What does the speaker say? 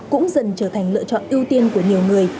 cũng dần trở thành lựa chọn ưu tiên của nhiều người